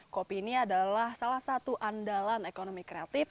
kopi ini adalah salah satu andalan ekonomi kreatif